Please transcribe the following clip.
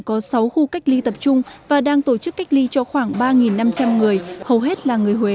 có sáu khu cách ly tập trung và đang tổ chức cách ly cho khoảng ba năm trăm linh người hầu hết là người huế